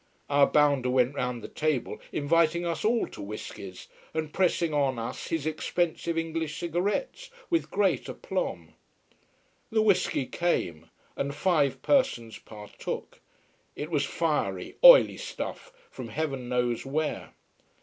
Our bounder went round the table inviting us all to whiskies, and pressing on us his expensive English cigarettes with great aplomb. The whisky came and five persons partook. It was fiery, oily stuff from heaven knows where.